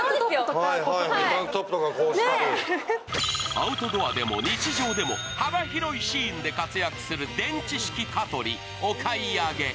アウトドアでも日常でも幅広いシーンで活躍する電池式蚊取り。